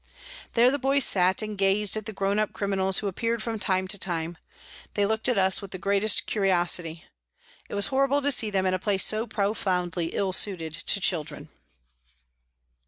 There the boys sat and gazed at the grown up criminals who appeared from time to time ; they looked at us with the greatest curiosity. It was horrible to see them in a place so profoundly ill suited to children.